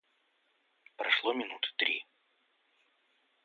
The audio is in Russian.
Прошло минуты три.